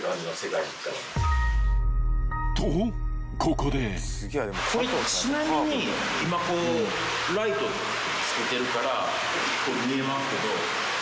これちなみに今こうライトつけてるから見えますけど。